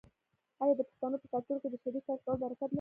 آیا د پښتنو په کلتور کې د شریک کار کول برکت نلري؟